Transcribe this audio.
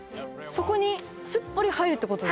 そこにすっぽり入るってことですか？